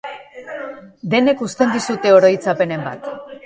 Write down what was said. Denek uzten dizute oroitzapenen bat.